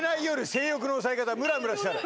「性欲の抑え方」「ムラムラしたら」